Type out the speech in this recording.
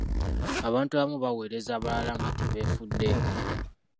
Abantu abamu baweereza abalala nga tebeefuddeko.